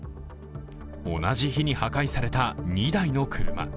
同じ日に破壊された２台の車。